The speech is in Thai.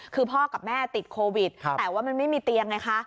คือพ่อกับแม่ติดโควิดแต่ว่ามันไม่มีเตียงไงคะ